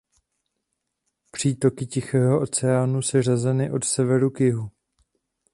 Přítoky Tichého oceánu seřazeny od severu k jihu.